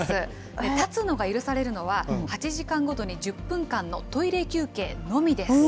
これ、立つのが許されるのは、８時間ごとに１０分間のトイレ休憩のみです。